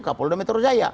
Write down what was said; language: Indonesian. kapolda metro jaya